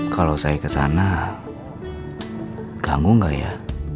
kalau saya kesana ganggu gak ya